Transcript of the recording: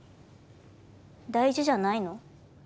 大事じゃないの？